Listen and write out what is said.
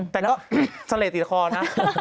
แต่ก็เสล่ติดคอนะ